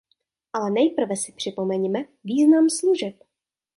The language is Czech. Ale nejprve si připomeňme význam služeb.